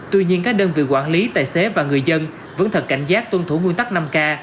tuy nhiên các đơn vị quản lý tài xế và người dân vẫn thật cảnh giác tuân thủ nguyên tắc năm k